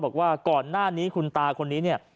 บอกว่าก่อนหน้านี้คุณตาคนนี้เนี่ย